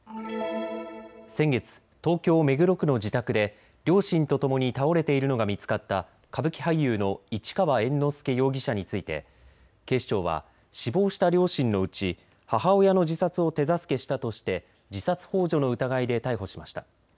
先月、東京目黒区の自宅で両親とともに倒れているのが見つかった歌舞伎俳優の市川猿之助容疑者について警視庁は死亡した両親のうち母親の自殺を手助けしたとして自殺ほう助の疑いで逮捕しました。